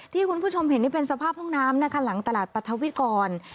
ที่คุณผู้ชมเห็นนี่เป็นสภาพห้องน้ำนะคะหลังตลาดปรัฐวิกร